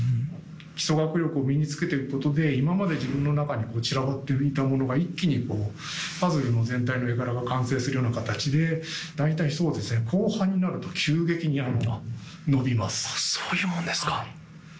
基礎学力を身につけておくことで、今まで自分の中に散らばっていたものが一気にこう、パズルの全体の絵柄が完成するような形で、大体そうですね、後半になると、そういうもんですか。